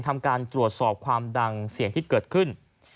ทำการตรวจสอบความดังเสี่ยงที่เกิดขึ้น